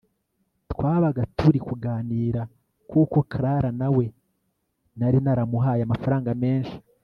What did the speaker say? twabaga turi kuganira kuko Clara nawe nari naramuhaye amafaranga menshi